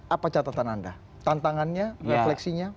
apa catatan anda tantangannya refleksinya